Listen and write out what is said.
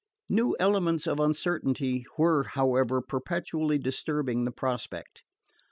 New elements of uncertainty were, however, perpetually disturbing the prospect.